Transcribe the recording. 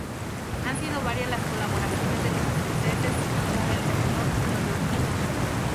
Han sido varias las colaboraciones de los escoceses con el escritor neoyorquino.